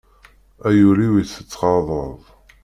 A yul-iw i tettɣaḍeḍ!